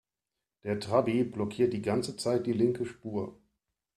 Der Trabi blockiert die ganze Zeit die linke Spur.